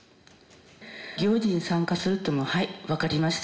行事に参加するというのははいわかりました。